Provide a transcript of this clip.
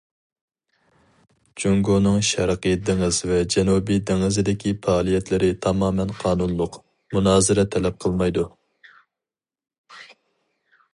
جۇڭگونىڭ شەرقىي دېڭىز ۋە جەنۇبىي دېڭىزىدىكى پائالىيەتلىرى تامامەن قانۇنلۇق، مۇنازىرە تەلەپ قىلمايدۇ.